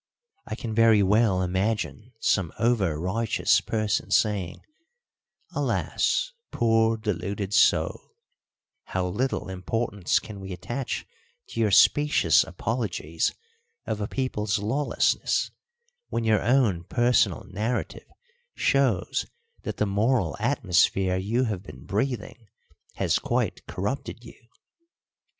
I can very well imagine some over righteous person saying, "Alas, poor deluded soul, how little importance can we attach to your specious apologies of a people's lawlessness, when your own personal narrative shows that the moral atmosphere you have been breathing has quite corrupted you!